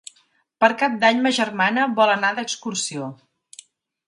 Per Cap d'Any ma germana vol anar d'excursió.